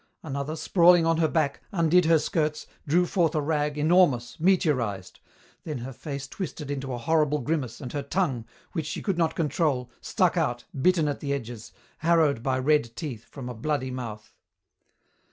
Another, sprawling on her back, undid her skirts, drew forth a rag, enormous, meteorized; then her face twisted into a horrible grimace, and her tongue, which she could not control, stuck out, bitten at the edges, harrowed by red teeth, from a bloody mouth.